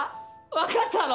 分かったの？